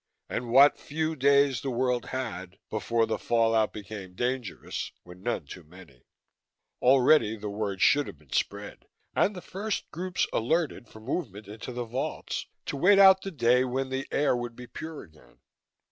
And what few days the world had before the fall out became dangerous were none too many. Already the word should have been spread, and the first groups alerted for movement into the vaults, to wait out the day when the air would be pure again.